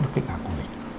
đối với kế hoạch của mình